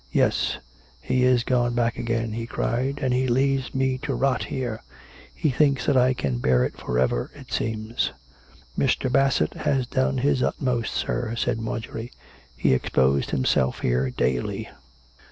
" Yes, he is gone back again," he cried, " and he leaves me to rot here! He thinks that I can bear it for ever, it seems !"" Mr. Bassett has done his utmost, sir," said Marjorie. " He exposed himself here daily."